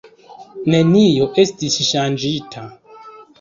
Nenio estis ŝanĝita.